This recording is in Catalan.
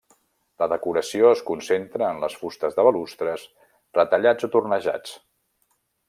La decoració es concentra en les fustes dels balustres, retallats o tornejats.